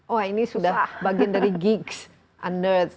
oh ini sudah bagian dari gigs anners